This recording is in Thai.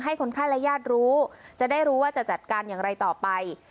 คนไข้และญาติรู้จะได้รู้ว่าจะจัดการอย่างไรต่อไป